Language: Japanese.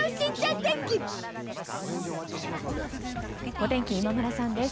お天気、今村さんです。